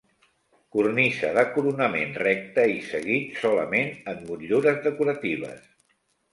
Cornisa de coronament recte i seguit, solament amb motllures decoratives.